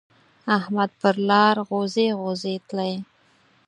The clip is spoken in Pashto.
احمد پر لار غوزی غوزی تلی.